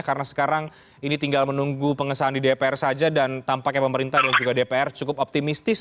karena sekarang ini tinggal menunggu pengesahan di dpr saja dan tampaknya pemerintah dan juga dpr cukup optimistis